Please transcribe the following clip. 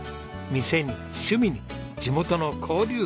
店に趣味に地元の交流。